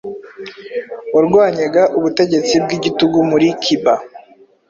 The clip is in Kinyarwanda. warwanyaga ubutegetsi bw’igitugu muri cuba